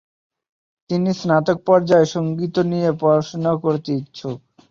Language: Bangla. তিনি স্নাতক পর্যায়ে সঙ্গীত নিয়ে পড়াশোনা করতে ইচ্ছুক।